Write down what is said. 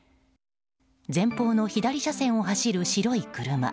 前方の左車線を走る白い車。